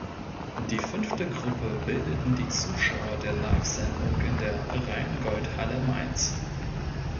Die fünfte Gruppe bildeten die Zuschauer der Live-Sendung in der Rheingoldhalle Mainz.